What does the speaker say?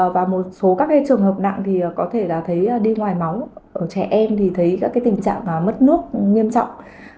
và một số các trường hợp nặng có thể là đi ngoài máu trẻ em thấy tình trạng mất nước nghiêm trọng